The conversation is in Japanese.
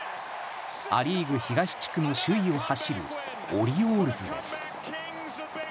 ア・リーグ東地区の首位を走るオリオールズです。